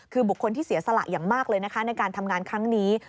คือบุคคลที่เสียสละอย่างมากเลยนะคะในการทำงานครั้งนี้